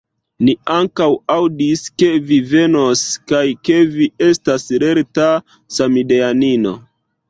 Ni ankaŭ aŭdis, ke vi venos, kaj ke vi estas lerta samideanino.